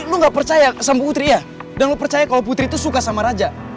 gue harus kembali ke rumah raja